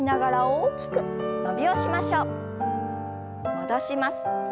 戻します。